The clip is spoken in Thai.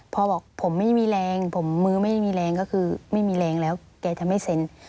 บอกผมไม่มีแรงผมมือไม่มีแรงก็คือไม่มีแรงแล้วแกจะไม่เซ็น